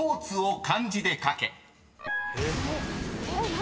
何？